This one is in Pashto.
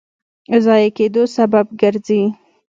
ضایع کېدو سبب ګرځي.